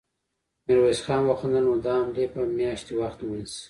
ميرويس خان وخندل: نو دا حملې به مياشتې وخت ونيسي.